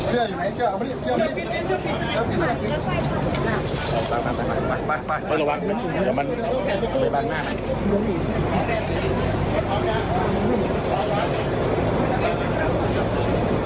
สวัสดีสวัสดีสวัสดีสวัสดีสวัสดีสวัสดีสวัสดีสวัสดี